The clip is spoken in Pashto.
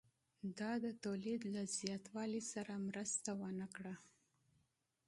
دا د تولید له زیاتوالي سره مرسته ونه کړه